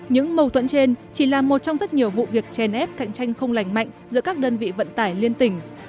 những mâu tuẫn trên chỉ là một trong rất nhiều vụ việc chèn ép cạnh tranh không lành mạnh giữa các đơn vị vận tải liên tỉnh